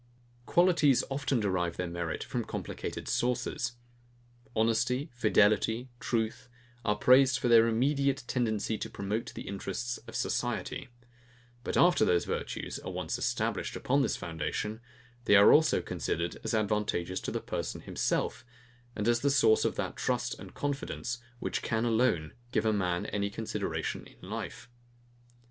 Qualities often derive their merit from complicated sources. Honesty, fidelity, truth, are praised for their immediate tendency to promote the interests of society; but after those virtues are once established upon this foundation, they are also considered as advantageous to the person himself, and as the source of that trust and confidence, which can alone give a man any consideration in life.